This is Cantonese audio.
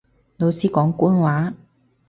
老師講官話